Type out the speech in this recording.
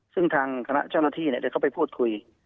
ซึ่งทางคณะเจ้าหน้าที่ได้เข้าไปพูดคุย